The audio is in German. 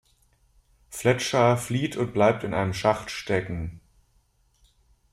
Fletcher flieht und bleibt in einem Schacht stecken.